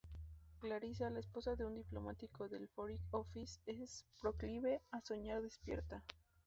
Clarissa, la esposa de un diplomático del Foreign Office, es proclive a soñar despierta.